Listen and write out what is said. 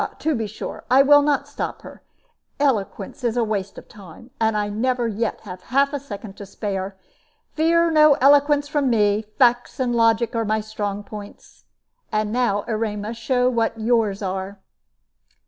"To be sure. I will not stop her. Eloquence is waste of time, and I never yet had half a second to spare. Fear no eloquence from me; facts and logic are my strong points. And now, Erema, show what yours are."